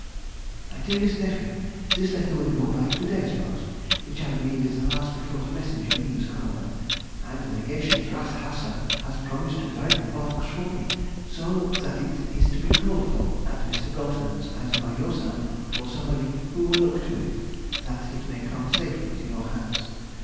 MY DEAREST NEPHEW,— This letter will go by to day's post, which I believe is the last before the messenger leaves Hanover, and Legations Rath Haase has promised to direct the box for me, so that it is to be called for at Mr. Goltermann's either by yourself, or somebody who will look to it, that it may come safely to your hands.